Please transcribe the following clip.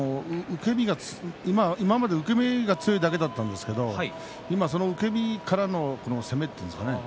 今まで受け身が強いだけだったんですけど今、その受け身からの攻めというんですかね